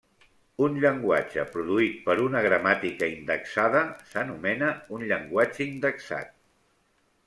Un llenguatge produït per una gramàtica indexada s'anomena un llenguatge indexat.